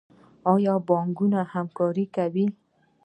آیا بانکونه همکاري کوي؟